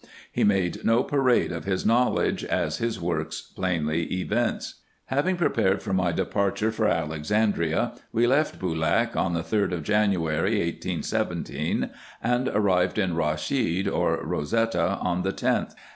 He made no parade of his knowledge, as his works plainly evince. Having prepared for my departure for Alexandria, we left Boolak on the 3d of January, 1817, and arrived in Raschid, or Rosetta, on the 10th.